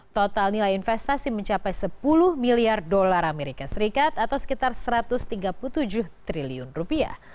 total nilai investasi mencapai sepuluh miliar dolar amerika serikat atau sekitar satu ratus tiga puluh tujuh triliun rupiah